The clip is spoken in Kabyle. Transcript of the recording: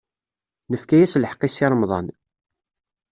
Nefka-as lḥeqq i Si Remḍan.